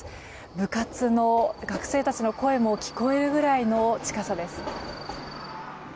部活の学生たちの声も聞こえるぐらいの近さです。